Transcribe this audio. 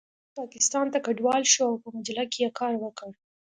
هغه پاکستان ته کډوال شو او په مجله کې یې کار وکړ